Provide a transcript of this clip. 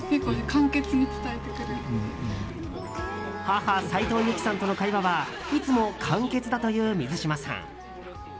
母・斉藤由貴さんとの会話はいつも簡潔だという水嶋さん。